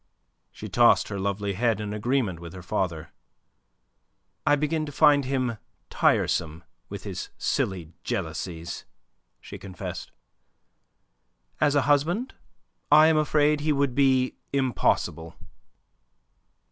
She tossed her lovely head in agreement with her father. "I begin to find him tiresome with his silly jealousies," she confessed. "As a husband I am afraid he would be impossible."